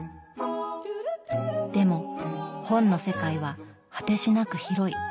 でも本の世界は果てしなく広い。